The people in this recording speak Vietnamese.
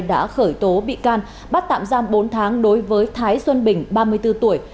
đã khởi tố bị can bắt tạm giam bốn tháng đối với thái xuân bình ba mươi bốn tuổi